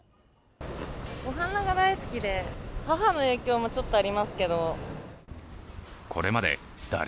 お花が大好きで母の影響もちょっとありますけど。